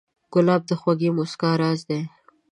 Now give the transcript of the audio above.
ګلاب د خوږې موسکا راز دی.